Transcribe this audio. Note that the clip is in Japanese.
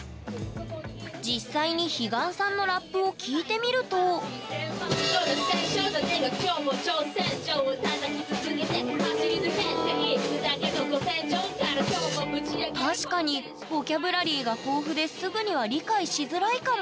実際に彼岸さんのラップを聴いてみると確かにボキャブラリーが豊富ですぐには理解しづらいかも。